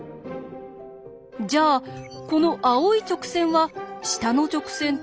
じゃあこの青い直線は下の直線と平行でしょうか？